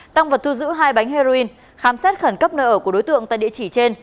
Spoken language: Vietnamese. tăng vật thu giữ hai bánh heroin khám xét khẩn cấp nơi ở của đối tượng tại địa chỉ trên